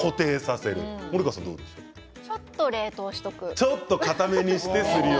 ちょっと冷凍しておく。